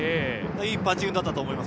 いいパンチングだったと思います。